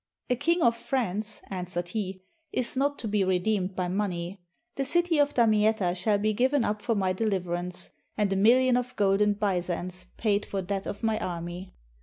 "A King of France," answered he, "is not to be redeemed by money; the city of Damietta shall be given up for my deliverance, and a million of golden byzants paid for that of my army."